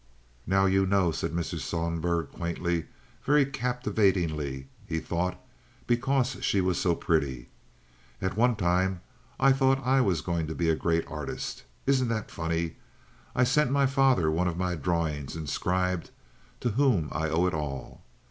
"Now, you know," said Mrs. Sohlberg, quaintly—very captivatingly, he thought, because she was so pretty—"at one time I thought I was going to be a great artist. Isn't that funny! I sent my father one of my drawings inscribed 'to whom I owe it all.